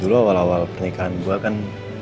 dulu awal awal pernikahan gue kan